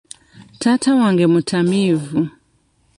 Taata wange mutamiivu.